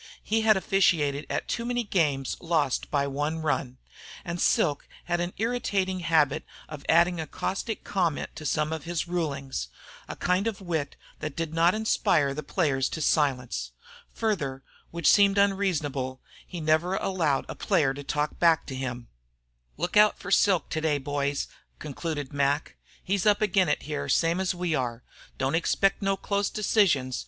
He had officiated in too many games lost by one run. And Silk had an irritating habit of adding a caustic comment to some of his rulings, a kind of wit that did not inspire the players to silence. Further, which seemed unreasonable, he never allowed a player to talk back to him. "Lookout for Silk today, boys," concluded Mac. "He's up agin it here, same as we are. Don't expect no close decisions.